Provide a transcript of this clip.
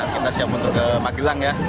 kita siap untuk ke magelang ya